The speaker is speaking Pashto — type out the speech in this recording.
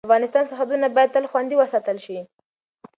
د افغانستان سرحدونه باید تل خوندي وساتل شي.